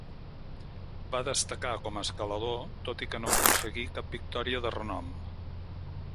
Va destacar com a escalador, tot i que no aconseguí cap victòria de renom.